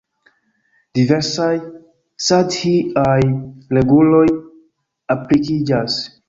Diversaj sandhi-aj reguloj aplikiĝas.